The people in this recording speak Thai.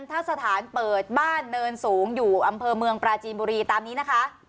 ถ้าสถานเปิดบ้านเนินสูงอยู่อำเภอเมืองปราจีนบุรีตามนี้นะคะ